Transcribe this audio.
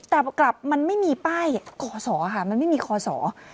แต่กลับมันไม่มีป้ายคอสอค่ะมันไม่มีคอสอ